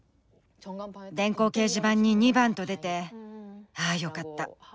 電光掲示板に２番と出て「ああよかった。